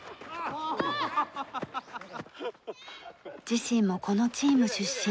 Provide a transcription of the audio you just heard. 自身もこのチーム出身。